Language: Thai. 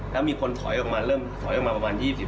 แล้วมีคนถอยออกมาเริ่มถอยออกมาประมาณ๒๐